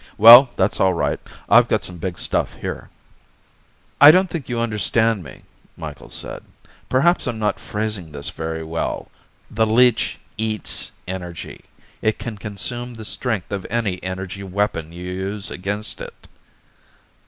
"Well, that's all right. I've got some big stuff here." "I don't think you understand me," Micheals said. "Perhaps I'm not phrasing this very well. The leech eats energy. It can consume the strength of any energy weapon you use against it."